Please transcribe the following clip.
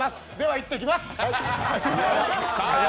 行ってきます！